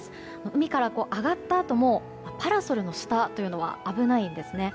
海から上がったあともパラソルの下というのは危ないんですね。